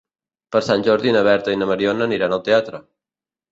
Per Sant Jordi na Berta i na Mariona aniran al teatre.